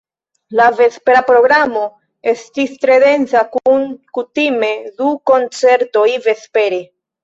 La vespera programo estis tre densa kun kutime du koncertoj vespere.